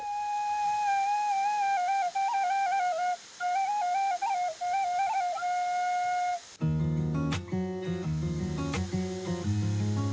kezirannya sangat penting